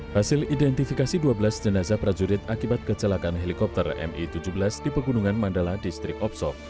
hasil identifikasi dua belas jenazah prajurit akibat kecelakaan helikopter mi tujuh belas di pegunungan mandala distrik opsok